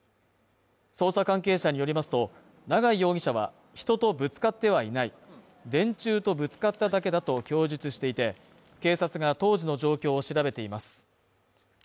捜査関係者によりますと、長井容疑者は人とぶつかってはいない電柱と中東ぶつかっただけだと供述していて、警察が当時の状況を調べています。